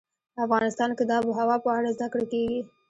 افغانستان کې د آب وهوا په اړه زده کړه کېږي.